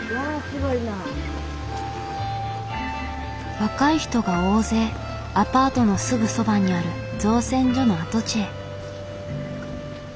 若い人が大勢アパートのすぐそばにある造船所の跡地へ。